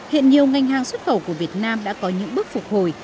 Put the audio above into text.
hiện nhiều ngành hàng xuất khẩu của việt nam đã có những bước phục hồi